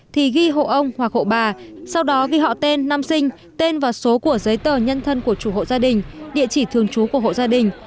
thì ghi hộ ông hoặc hộ bà sau đó ghi họ tên năm sinh tên và số của giấy tờ nhân thân của chủ hộ gia đình địa chỉ thường trú của hộ gia đình